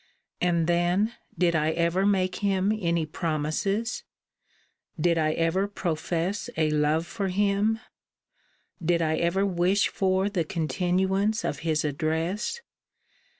And then, did I ever make him any promises? Did I ever profess a love for him? Did I ever wish for the continuance of his address?